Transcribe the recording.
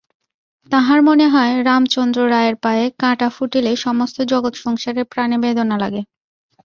তাঁহার মনে হয়, রামচন্দ্র রায়ের পায়ে কাঁটা ফুটিলে সমস্ত জগৎসংসারের প্রাণে বেদনা লাগে।